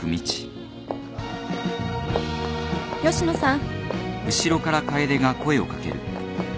吉野さん。